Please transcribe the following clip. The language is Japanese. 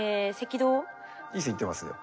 いい線いってますね。